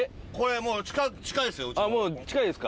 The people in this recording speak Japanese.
もう近いですか？